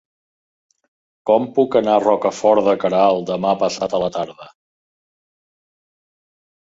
Com puc anar a Rocafort de Queralt demà passat a la tarda?